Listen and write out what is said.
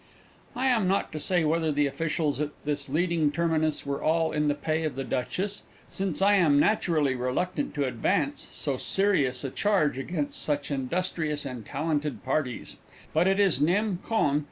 I am not to say whether the officials at this leading terminus were all in the pay of the Duchess, since I am naturally reluctant to advance so serious a charge against such industrious and talented parties, but it is _nem. con.